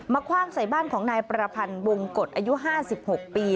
คว่างใส่บ้านของนายประพันธ์วงกฎอายุ๕๖ปี